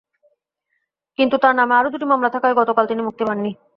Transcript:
কিন্তু তাঁর নামে আরও দুটি মামলা থাকায় গতকাল তিনি মুক্তি পাননি।